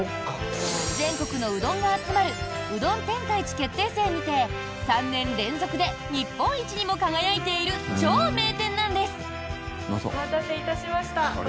全国のうどんが集まるうどん天下一決定戦にて３年連続で日本一にも輝いている超名店なんです。